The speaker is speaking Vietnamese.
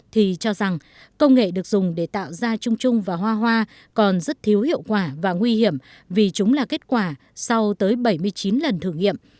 thì cho rằng công nghệ được dùng để tạo ra trung trung và hoa hoa còn rất thiếu hiệu quả và nguy hiểm vì chúng là kết quả sau tới bảy mươi chín lần thử nghiệm